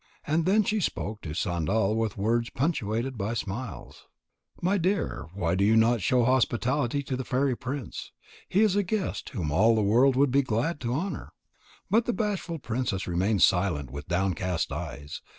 And then she spoke to Sandal with words punctuated by smiles: "My dear, why do you not show hospitality to the fairy prince? He is a guest whom all the world would be glad to honour." But the bashful princess remained silent with downcast eyes.